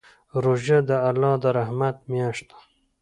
روژه د الله د رحمت میاشت ده.